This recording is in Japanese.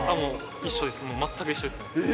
一緒です、全く一緒ですね。